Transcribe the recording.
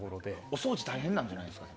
お掃除大変なんじゃないですか？